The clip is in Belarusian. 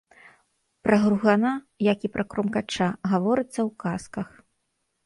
Пра гругана, як і пра крумкача, гаворыцца ў казках.